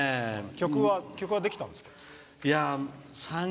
曲はできたんですか？